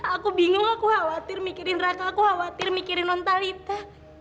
aku bingung aku khawatir mikirin raka aku khawatir mikirin nontalita